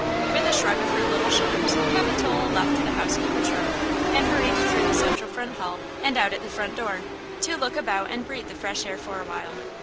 With a shrug of her little shoulders, Capitola left the housekeeper's room and hurried through the central front hall and out at the front door, to look about and breathe the fresh air for a while.